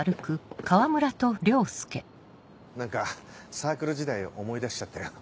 何かサークル時代を思い出しちゃったよ。